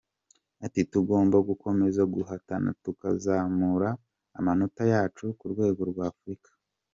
Ati" Tugomba gukomeza guhatana tukazamura amanota yacu ku rwego rwa Afurika.